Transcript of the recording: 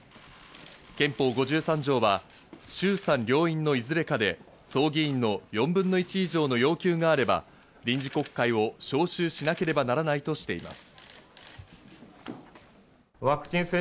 憲法５３条は衆参両院のいずれかで総議員の４分の１以上の要求があれば臨時国会を召集しなければならないとしています。